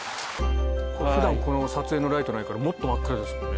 普段この撮影のライトないからもっと真っ暗ですよね。